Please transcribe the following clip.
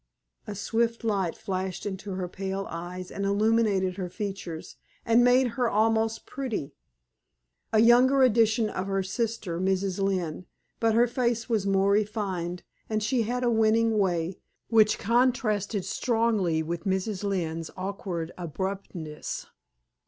A swift light flashed into her pale eyes and illumined her features, and made her almost pretty. A younger edition of her sister, Mrs. Lynne; but her face was more refined, and she had a winning way, which contrasted strongly with Mrs. Lynne's awkward abruptness.